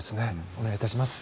お願いいたします。